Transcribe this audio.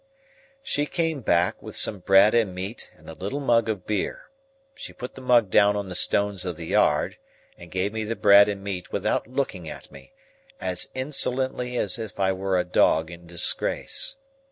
She came back, with some bread and meat and a little mug of beer. She put the mug down on the stones of the yard, and gave me the bread and meat without looking at me, as insolently as if I were a dog in disgrace.